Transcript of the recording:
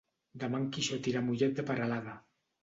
Demà en Quixot irà a Mollet de Peralada.